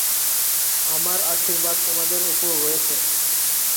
আমার আশীর্বাদ তোমাদের ওপর রয়েছে।